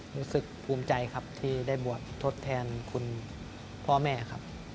รู้สึกภูมิใจครับที่ได้บวชทดแทนคุณพ่อแม่ครับ